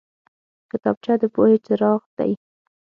کتابچه د پوهې څراغ دی